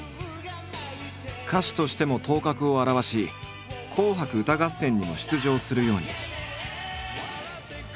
歌手としても頭角を現し「紅白歌合戦」にも出場するように。